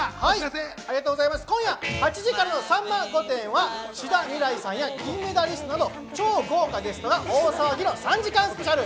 今夜８時からの『さんま御殿！！』は志田未来さんや金メダリストなど超豪華ゲストが大騒ぎの３時間スペシャル。